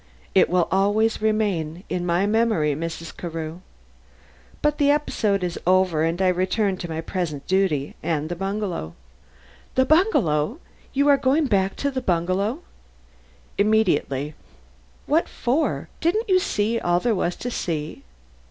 It will always remain in my memory, Mrs. Carew. But the episode is over and I return to my present duty and the bungalow." "The bungalow! You are going back to the bungalow?" "Immediately." "What for? Didn't you see all there was to see?"